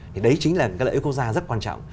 thì đấy chính là cái lợi ích quốc gia rất quan trọng